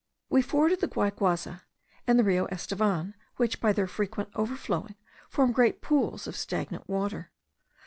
We forded the Guayguaza and the Rio Estevan, which, by their frequent overflowing, form great pools of stagnant water.